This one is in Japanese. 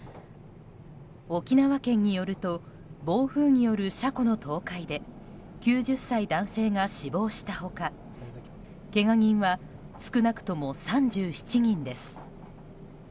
沖縄県によると暴風による車庫の倒壊で９０歳男性が死亡した他けが人は少なくとも３７人です。